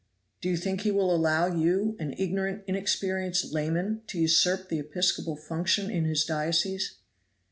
"Do you think he will allow you, an ignorant, inexperienced layman, to usurp the episcopal function in his diocese."